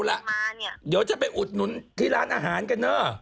เอาล่ะมาเนี่ยเดี๋ยวจะไปอุดหนุนที่ร้านอาหารกันเนอะ